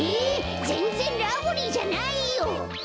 ぜんぜんラブリーじゃないよ。